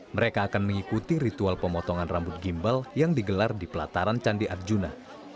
mereka akan mengikuti ritual pemotongan rambut gimbal yang digelar di pelataran candi arjuna